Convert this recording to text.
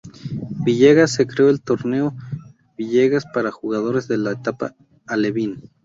Villegas, se creó el Torneo Villegas para jugadores de la etapa alevín.